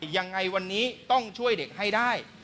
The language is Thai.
ยังไงวันนี้ต้องช่วยเด็กให้ได้